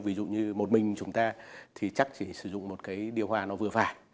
ví dụ như một mình chúng ta thì chắc chỉ sử dụng một cái điều hòa nó vừa phải